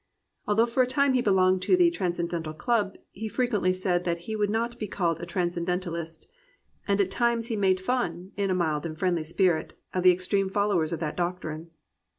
Although for a time he belonged to the "Transcendental Club," he frequently said that he would not be called a transcendentaUst, and at times he made fun, in a mild and friendly spirit, of the extreme followers of that doctrine.